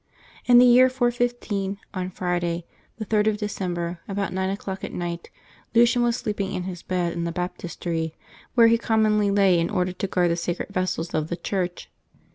In the year 415, on Friday, the 3d of December, about nine o^clock at night, Lucian was sleeping in his bed in the baptistery, where he commonly lay in order to guard the sacred vessels of the church.